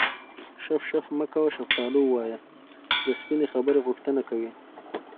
شف شف مه کوه شفتالو ووایه د سپینې خبرې غوښتنه کوي